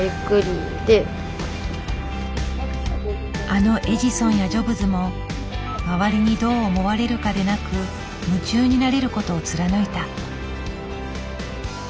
あのエジソンやジョブズも周りにどう思われるかでなく夢中になれることを貫いた。